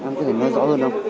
em có thể nói rõ hơn không